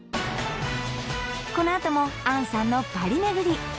このあとも杏さんのパリ巡り